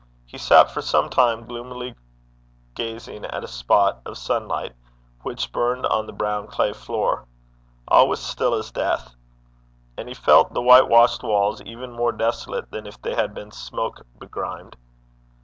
He sat for some time gloomily gazing at a spot of sunlight which burned on the brown clay floor. All was still as death. And he felt the white washed walls even more desolate than if they had been smoke begrimed.